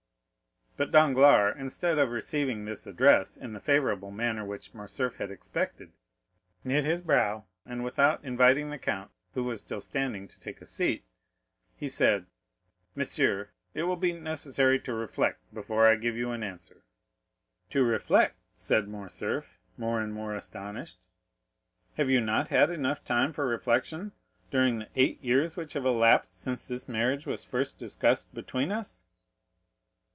But Danglars, instead of receiving this address in the favorable manner which Morcerf had expected, knit his brow, and without inviting the count, who was still standing, to take a seat, he said: "Monsieur, it will be necessary to reflect before I give you an answer." "To reflect?" said Morcerf, more and more astonished; "have you not had enough time for reflection during the eight years which have elapsed since this marriage was first discussed between us?"